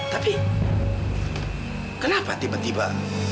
tapi kenapa tiba tiba